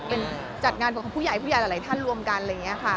เป็นจัดการผู้ใหญ่หรือผู้ใหญ่อะไรท่านรวมกันอะไรอย่างนี้ค่ะ